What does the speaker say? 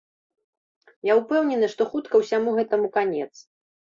Я ўпэўнены, што хутка ўсяму гэтаму канец.